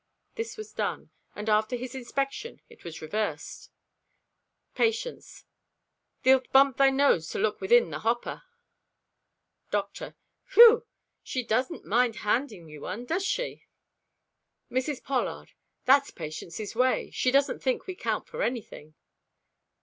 This was done, and after his inspection it was reversed. Patience.—"Thee'lt bump thy nose to look within the hopper." Doctor.—"Whew! She doesn't mind handing you one, does she?" Mrs. Pollard.—"That's Patience's way. She doesn't think we count for anything."